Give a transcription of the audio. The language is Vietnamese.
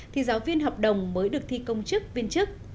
thì giáo viên hợp đồng mới được thi công chức viên chức